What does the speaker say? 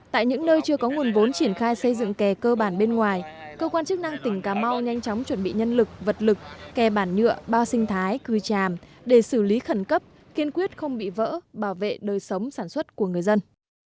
tại những nơi chưa có nguồn vốn triển khai xây dựng kè cơ bản bên ngoài cơ quan chức năng tỉnh cà mau nhanh chóng chuẩn bị nhân lực vật lực kè bản nhựa bao sinh thái cư tràm để xử lý khẩn cấp kiên quyết không bị vỡ bảo vệ đời sống sản xuất của người dân